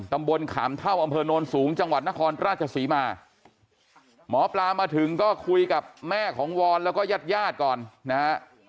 ตำบลขามเท่าอำเภอโนนสูงจังหวัดนครราชศรีมาหมอปลามาถึงก็คุยกับแม่ของวอนแล้วก็ญาติญาติก่อนนะฮะ